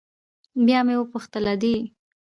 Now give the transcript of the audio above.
بيا مې وپوښتل ادې.